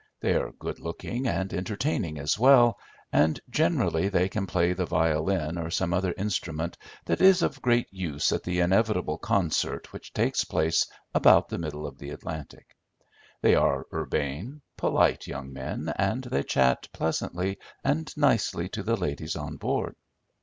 They are good looking and entertaining as well, and generally they can play the violin or some other instrument that is of great use at the inevitable concert which takes place about the middle of the Atlantic. They are urbane, polite young men, and they chat pleasantly and nicely to the ladies on board.